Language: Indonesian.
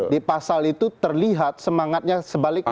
di pasal itu terlihat semangatnya sebaliknya